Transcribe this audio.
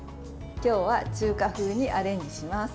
今日は中華風にアレンジします。